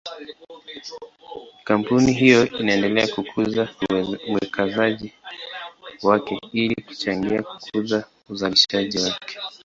Kampuni hiyo inaendelea kukuza uwekezaji wake ili kuchangia kukuza uzalishaji wake.